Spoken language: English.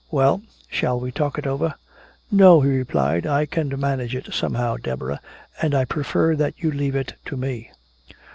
"Well? Shall we talk it over?" "No," he replied. "I can manage it somehow, Deborah, and I prefer that you leave it to me."